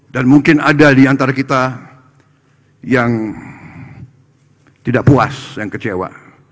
dan mungkin ada diantara kita yang tidak puas yang kecewa